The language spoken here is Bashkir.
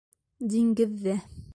ДИҢГЕҘҘӘ